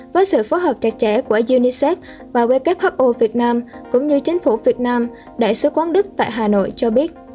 với sự phối hợp chặt chẽ của unicef và who việt nam cũng như chính phủ việt nam đại sứ quán đức tại hà nội cho biết